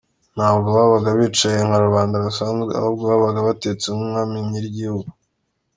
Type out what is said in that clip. Ntabwo babaga bicaye nka rubanda rusanzwe, ahubwo babaga batetse nk’umwami nyir’Igihugu.